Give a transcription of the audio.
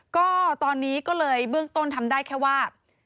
ก็ตอนนี้ก็เลยเบื้องต้นทำได้แค่ว่า